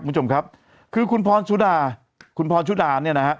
คุณผู้ชมครับคือคุณพรสุดาคุณพรชุดาเนี่ยนะฮะ